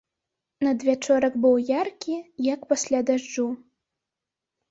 Надвячорак быў яркі, як пасля дажджу.